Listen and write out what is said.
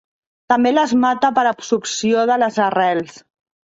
També les mata per absorció de les arrels.